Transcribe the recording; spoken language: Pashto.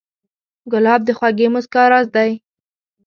ګلاب د خوږې موسکا راز دی.